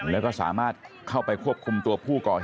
แล้วก็สามารถเข้าไปควบคุมตัวผู้ก่อเหตุ